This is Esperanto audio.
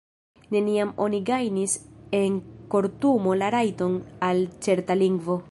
Neniam oni gajnis en kortumo la rajton al certa lingvo